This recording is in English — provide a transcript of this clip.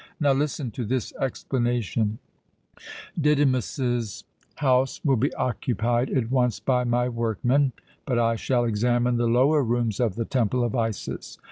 "Now listen to this explanation: Didymus's house will be occupied at once by my workmen, but I shall examine the lower rooms of the Temple of Isis.